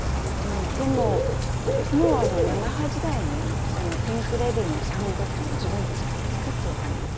でももうヤマハ時代にピンク・レディーのサウンドっていうのは自分たちで作っていたので。